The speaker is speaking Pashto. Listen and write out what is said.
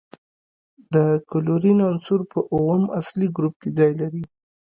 د کلورین عنصر په اووم اصلي ګروپ کې ځای لري.